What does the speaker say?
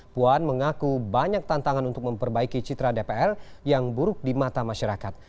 puan mengaku banyak tantangan untuk memperbaiki citra dpr yang buruk di mata masyarakat